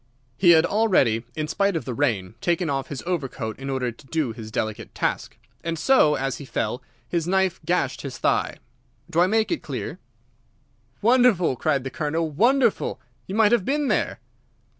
He had already, in spite of the rain, taken off his overcoat in order to do his delicate task, and so, as he fell, his knife gashed his thigh. Do I make it clear?" "Wonderful!" cried the Colonel. "Wonderful! You might have been there!"